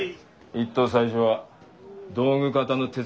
一等最初は道具方の手伝いだ。